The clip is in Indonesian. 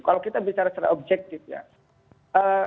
kalau kita bicara secara objektif ya